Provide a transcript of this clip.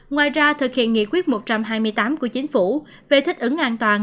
ngoài ra thực hiện nghị quyết một trăm hai mươi tám của chính phủ về thích ứng an toàn